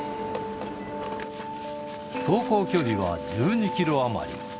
走行距離は１２キロ余り。